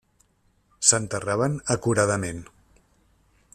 S'enterraven acuradament.